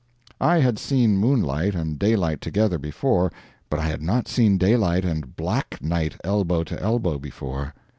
I had seen moonlight and daylight together before, but I had not seen daylight and black night elbow to elbow before.